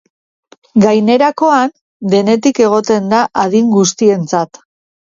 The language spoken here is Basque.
Gainerakoan, denetik egongo da adin guztientzat.